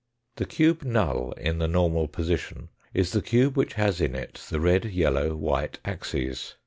The cube null in the normal position is the cube which has in it the red, yellow, white axes.